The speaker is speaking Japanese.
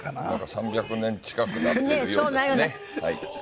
３００年近くなっているようですね。